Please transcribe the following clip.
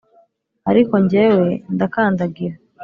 ariko njyewe ndakandagira,